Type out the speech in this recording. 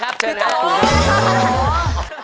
ขอบคุณคุณไอศแลนดูมากครับเชิญนะครับพี่โต